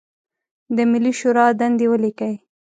د ملي شورا دندې ولیکئ.